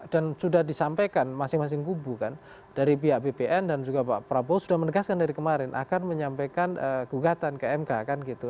sudah disampaikan masing masing kubu kan dari pihak bpn dan juga pak prabowo sudah menegaskan dari kemarin akan menyampaikan gugatan ke mk kan gitu